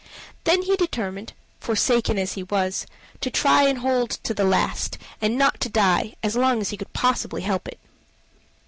Then he determined, forsaken as he was, to try and hold on to the last, and not to die as long as he could possibly help it.